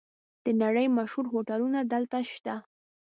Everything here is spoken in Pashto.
د نړۍ مشهور هوټلونه دلته شته.